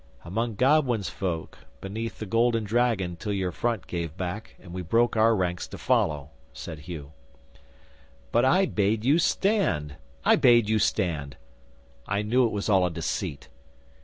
'"Among Godwin's folk beneath the Golden Dragon till your front gave back, and we broke our ranks to follow," said Hugh. '"But I bade you stand! I bade you stand! I knew it was all a deceit!"